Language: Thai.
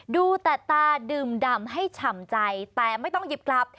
ดูแต่ตาดื่มดำให้ฉ่ำใจแต่ไม่ต้องหยิบกลับ